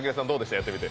やってみて。